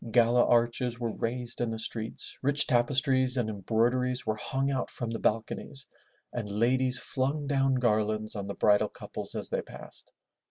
Gala arches were raised in the streets, rich tapestries and embroideries were hung out from the balconies, and ladies flung down garlands on the bridal couples as they passed.